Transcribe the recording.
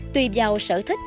tùy vào sở thích